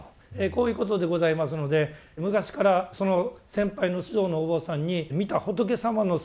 こういうことでございますので昔からその先輩の指導のお坊さんに見た仏様の姿状況